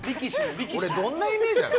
俺、どんなイメージなの？